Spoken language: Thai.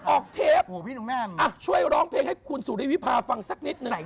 ออกเทปช่วยร้องเพลงให้คุณสุริวิพาฟังสักนิดนึง